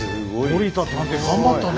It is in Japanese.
森田探偵頑張ったね。